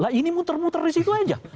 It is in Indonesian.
nah ini muter muter di situ aja